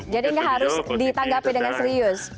jadi nggak harus ditanggapi dengan serius